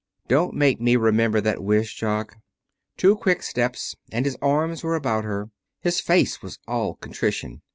Don't make me remember that wish, Jock." Two quick steps and his arms were about her. His face was all contrition.